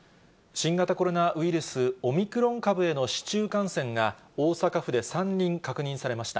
新型コロナウイルス、オミクロン株への市中感染が、大阪府で３人確認されました。